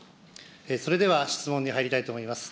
それでは質問に入りたいと思います。